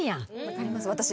分かります。